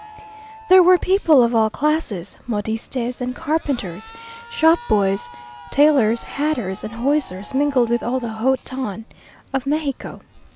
There were people of all classes; modistes and carpenters, shop boys, tailors, hatters, and hosiers, mingled with all the haut ton of Mexico.